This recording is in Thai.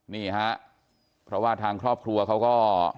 นี่ฮะเพราะว่าทางครอบครัวเขาก็